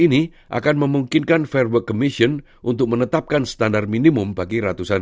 ini akan memungkinkan verbal commission untuk menetapkan standar minimum bagi ratusan